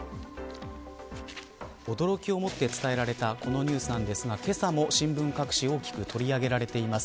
驚きをもって伝えられたこのニュースですがけさも新聞各紙大きく取り上げられています。